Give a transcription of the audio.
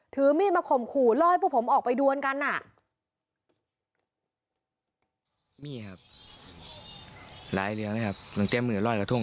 ถือมีดมาข่มขู่รอให้พวกผมออกไปด้วยเหมือนกัน